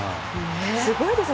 すごいですよね。